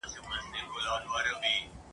د هغه په وخت کي ډېر لومړني ښوونځي جوړ سول.